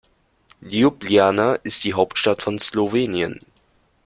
Ljubljana ist die Hauptstadt von Slowenien.